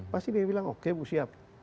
pasti dia bilang oke bu siap